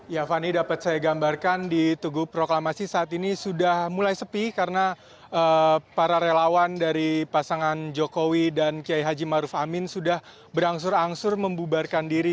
ya fani dapat saya gambarkan di tugu proklamasi saat ini sudah mulai sepi karena para relawan dari pasangan jokowi dan kiai haji maruf amin sudah berangsur angsur membubarkan diri